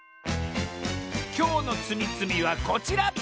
きょうのつみつみはこちら！